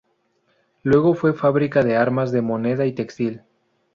Luego fue fábrica de armas, de moneda y textil.